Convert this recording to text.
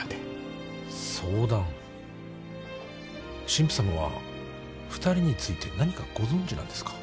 神父さまは２人について何かご存じなんですか？